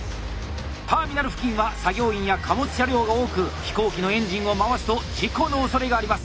ターミナル付近は作業員や貨物車両が多く飛行機のエンジンを回すと事故のおそれがあります。